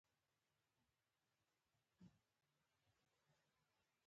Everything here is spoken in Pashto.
د جنتري له مخې سبا ورځ د پلار لپاره ځانګړې شوې